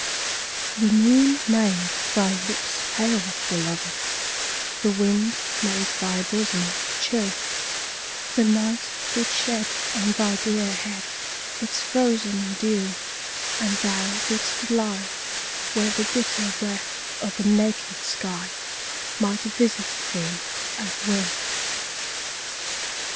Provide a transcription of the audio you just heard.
4. The moon made thy lips pale, beloved The wind made thy bosom chill _20 The night did shed on thy dear head Its frozen dew, and thou didst lie Where the bitter breath of the naked sky Might visit thee at will.